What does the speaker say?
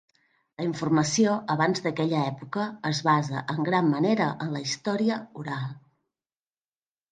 La informació abans d'aquella època es basa en gran manera en la història oral.